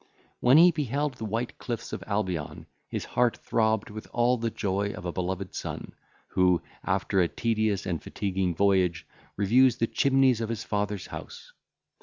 When he beheld the white cliffs of Albion, his heart throbbed with all the joy of a beloved son, who, after a tedious and fatiguing voyage, reviews the chimneys of his father's house.